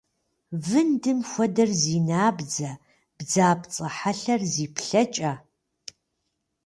Вындым хуэдэр зи набдзэ, бдзапцӏэ хьэлъэр зи плъэкӏэ.